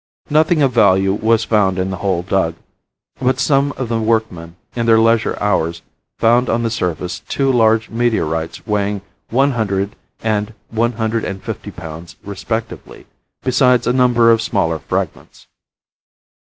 Nothing of value was found in the hole dug, but some of the workmen in their leisure hours found on the surface two large meteorites weighing one hundred and one hundred and fifty pounds respectively, besides a number of smaller fragments.